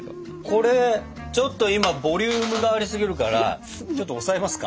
これちょっと今ボリュームがありすぎるからちょっと押さえますか？